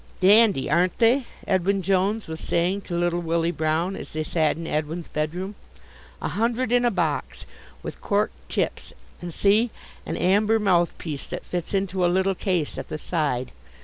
"Dandy, aren't they?" Edwin Jones was saying to little Willie Brown, as they sat in Edwin's bedroom. "A hundred in a box, with cork tips, and see, an amber mouthpiece that fits into a little case at the side.